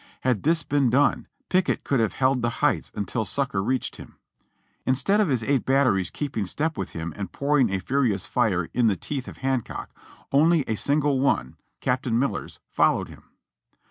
Had this been done, Pickett could have held the heights until succor reached him. In stead of his eight batteries keeping step with him and pouring a furious fire in the teeth of Hancock, only a single one (Captain Miller's) followed him.